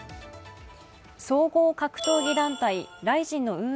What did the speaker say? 総合格闘技団体ＲＩＺＩＮの運営